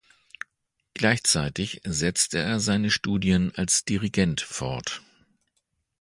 Gleichzeitig setzte er seine Studien als Dirigent fort.